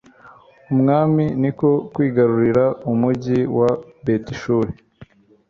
umwami ni ko kwigarurira umugi wa betishuri